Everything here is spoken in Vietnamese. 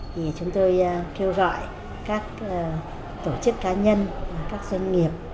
thì chúng tôi kêu gọi các tổ chức cá nhân các doanh nghiệp